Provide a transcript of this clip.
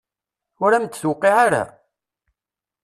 Ur am-d-tuqiɛ ara?